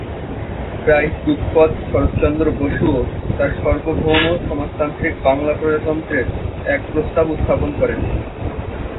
প্রায় যুগপৎ শরৎচন্দ্র বসুও তাঁর সার্বভৌম সমাজতান্ত্রিক বাংলা প্রজাতন্ত্রের এক প্রস্তাব উত্থাপন করেন।